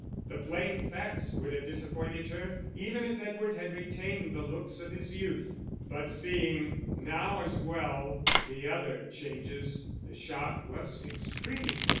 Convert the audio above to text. The plain facts would have disappointed her even if Edward had retained the looks of his youth, but seeing now as well the other changes, the shock was extreme.